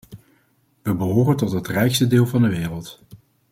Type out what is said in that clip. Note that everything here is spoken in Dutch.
We behoren tot het rijkste deel van de wereld.